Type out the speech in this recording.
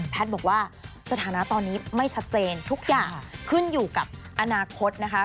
บอกว่าสถานะตอนนี้ไม่ชัดเจนทุกอย่างขึ้นอยู่กับอนาคตนะคะ